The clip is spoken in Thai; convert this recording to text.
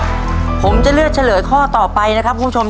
ผมจะเลือกเฉลยข้อต่อไปนะครับคุณผู้ชม